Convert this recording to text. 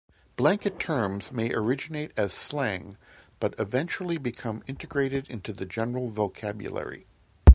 Blanket terms may originate as slang but eventually become integrated into the general vocabulary.